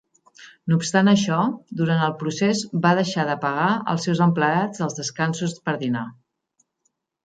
No obstant això, durant el procés va deixar de pagar als seus empleats els descansos per dinar.